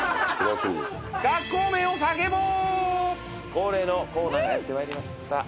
恒例のコーナーがやって参りました。